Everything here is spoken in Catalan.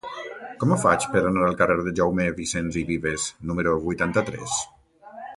Com ho faig per anar al carrer de Jaume Vicens i Vives número vuitanta-tres?